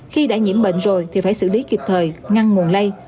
khi đã nhiễm bệnh rồi thì phải xử lý kịp thời ngăn nguồn lây